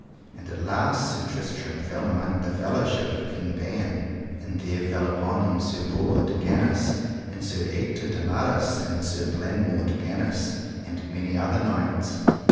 And at the last Sir Tristram fell among the fellowship of King Ban, and there fell upon him Sir Bors de Ganis, and Sir Ector de Maris, and Sir Blamore de Ganis, and many other knights.